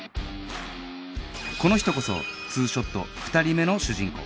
この人こそ『２ショット』２人目の主人公